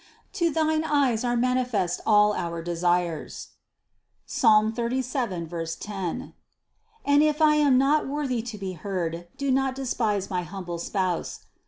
To thine eyes are manifest all our desires (Ps. 37, 10) and if I am not worthy to be heard, do not despise my humble spouse.